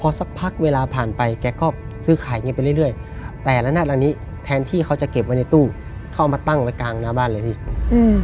สักพักเวลาผ่านไปแกก็ซื้อขายเงินไปเรื่อยแต่ละนาดละนี้แทนที่เขาจะเก็บไว้ในตู้เข้ามาตั้งไว้กลางหน้าบ้านเลยพี่อืม